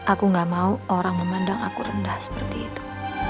aku gak mau orang memandang aku rendah seperti itu